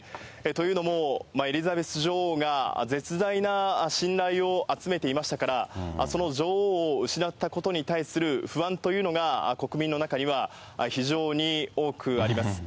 というのも、エリザベス女王が絶大な信頼を集めていましたから、その女王を失ったことに対する不安というのが、国民の中には非常に多くあります。